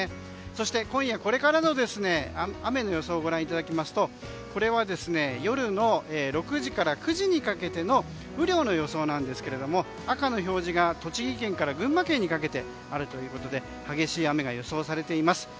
そして今夜これからの雨の予想ご覧いただきますと夜の６時から９時にかけての雨量の予想なんですが赤の表示が栃木県から群馬県にかけてあるということで激しい雨が予想されています。